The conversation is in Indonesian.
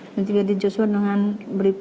ini brigadir joshua dengan riki